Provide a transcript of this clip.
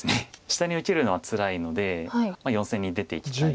下に受けるのはつらいので４線に出ていきたいです。